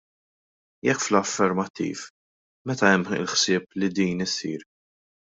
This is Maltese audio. Jekk fl-affermattiv, meta hemm il-ħsieb li din issir?